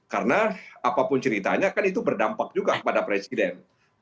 karena apapun ceritanya kan itu berdampak juga pada presiden